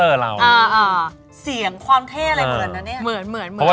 อาทาราสาว